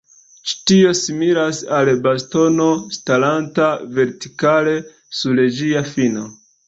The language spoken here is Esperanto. Ĉi tio similas al bastono staranta vertikale sur ĝia fino.